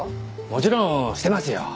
もちろん捨てますよ。